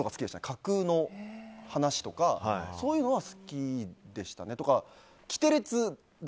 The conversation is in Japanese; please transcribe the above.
架空の話とかそういうのは好きでしたね。